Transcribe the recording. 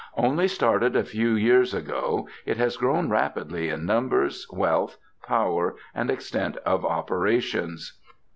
Only started a few years ago, it has grown rapidly in numbers, wealth, power, and extent of operations.